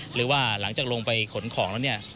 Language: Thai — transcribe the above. หรือว่าหลังจากลงไปขนของแล้วเนี่ย